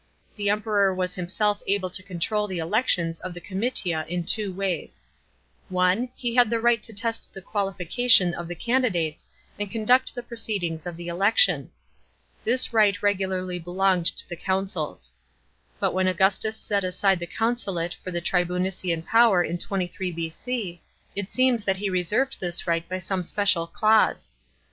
The Emperor was himself able to control the elec tions in the comitia in two ways. (1) He had the right to test the qualification of the candidates and conduct the proceedings of the election. This right regularly belonged to the consuls. But when Augustus set aside the consulate for the tribunician power in 23 B.C., it seems that he reserved this right by some special clause.